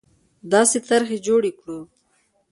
داسې طرحې جوړې کړو